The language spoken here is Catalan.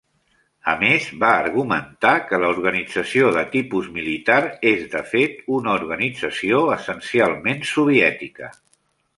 A més, va argumentar que "la organització de tipus militar és, de fet, una organització essencialment soviètica".